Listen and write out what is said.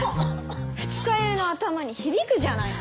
二日酔いの頭に響くじゃないの。